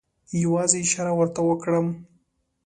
یوازې اشاره ورته وکړم.